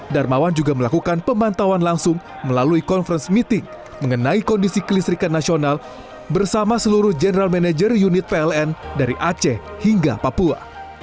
darmawan juga melakukan pemantauan langsung melalui conference meeting mengenai kondisi kelistrikan nasional bersama seluruh general manager unit pln dari aceh hingga papua